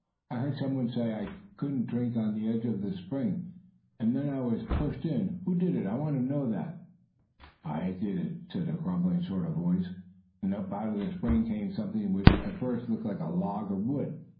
"I heard some one say I couldn't drink on his edge of the spring, and then I was pushed in. Who did it? I want to know that!" "I did it!" said a grumbling sort of voice, and up out of the spring came something which, at first, looked like a log of wood.